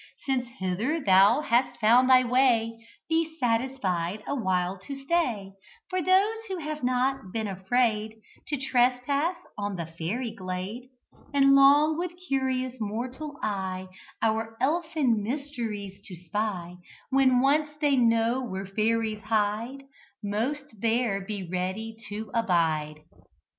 Since hither thou hast found thy way, Be satisfied awhile to stay: For those who have not been afraid To trespass on the fairy glade, And long, with curious mortal eye, Our elfin mysteries to spy, When once they know where fairies hide, Most there be ready to abide."